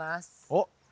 おっ。